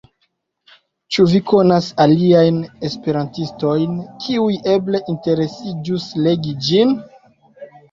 Ĉu vi konas aliajn esperantistojn, kiuj eble interesiĝus legi ĝin?